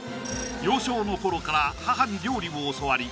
幼少の頃から母に料理を教わり